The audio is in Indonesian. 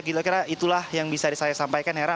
kira kira itulah yang bisa saya sampaikan hera